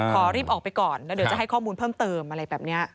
ขอรีบออกไปก่อนแล้วเดี๋ยวจะให้ข้อมูลเพิ่มเติมอะไรแบบนี้